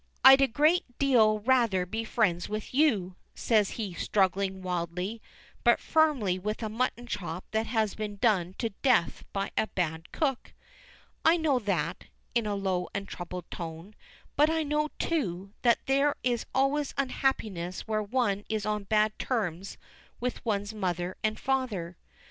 "I'd a great deal rather be friends with you," says he struggling wildly but firmly with a mutton chop that has been done to death by a bad cook. "I know that," in a low and troubled tone, "but I know, too, that there is always unhappiness where one is on bad terms with one's father and mother."